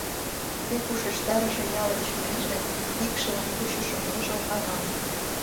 Тек ушештарыже ялын чурийже Икшывым кучышо ныжыл авам.